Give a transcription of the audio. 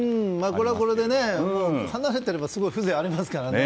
これはこれでね、離れていれば風情がありますからね。